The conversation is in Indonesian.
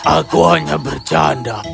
aku hanya bercanda